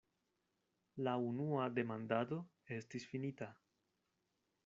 La unua demandado estis finita.